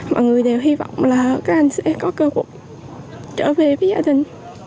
mọi người đều hy vọng là các anh sẽ có cơ hội trở về với gia đình